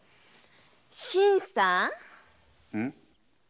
新さん。